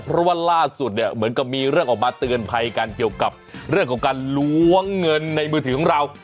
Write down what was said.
เพราะว่าล่าสุดเนี่ยเหมือนกับมีเรื่องออกมาเตือนภัยกันเกี่ยวกับเรื่องของการล้วงเงินในมือถือของเรา